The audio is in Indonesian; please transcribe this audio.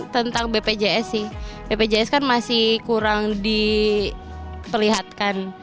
tentang bpjs sih bpjs kan masih kurang diperlihatkan